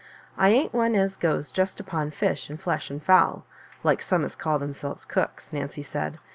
'^I ain t one as goes just upon fish and flesh and fowl, like some as call themselves cooks," Nancy said.